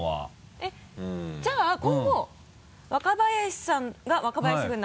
えっじゃあ今後若林さんが若林軍団。